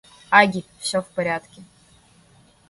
Агги, все в порядке.